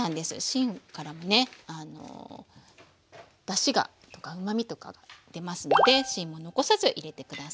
芯からもねだしがとかうまみとか出ますので芯も残さず入れて下さい。